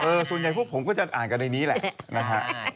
ส่วนใหญ่พวกผมก็จะอ่านกันในนี้แหละนะฮะ